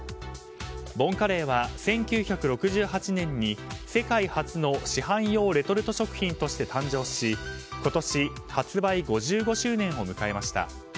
ボンカレーは１９６８年に世界初の市販用レトルト食品として誕生し今年、発売５５周年を迎えました。